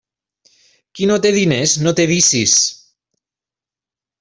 Qui no té diners, no té vicis.